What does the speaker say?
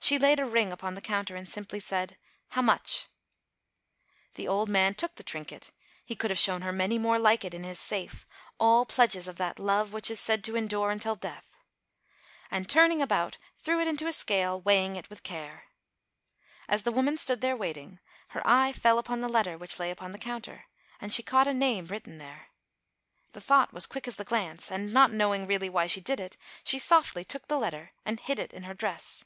She laid a ring upon the counter and simply said " How much ?" The old man took the trinket (he could have shown her many more like it in his safe, all pledges of that love which is said to endure until death) and, turning about, threw it into a scale, weighing it with care. As the woman stood there waiting, her eye fell upon the letter which lay upon the counter, and she caught a name written there. The thought was quick as the glance, and, not know ing, really, why she did it, she softly took the letter and hid it in her dress.